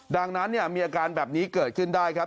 ดังนั้นมีอาการแบบนี้เกิดขึ้นได้ครับ